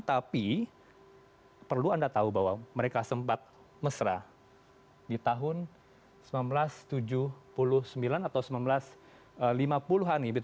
tapi perlu anda tahu bahwa mereka sempat mesra di tahun seribu sembilan ratus tujuh puluh sembilan atau seribu sembilan ratus lima puluh an